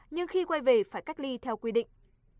nhưng khi quay về phải cách ly theo quy định